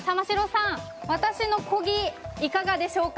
私のこぎ、いかがでしょうか？